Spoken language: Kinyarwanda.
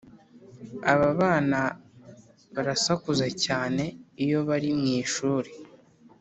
Ababana barasakuza cyane iyo bari mw’ishuri